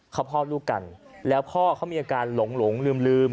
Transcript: เขาพ่อลูกกันแล้วพ่อเขามีอาการหลงลืม